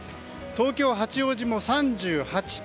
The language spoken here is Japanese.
東京・八王子も３８．２度。